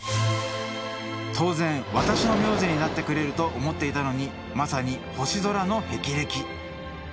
当然私の名字になってくれると思っていたのにまさに星空のへきれき。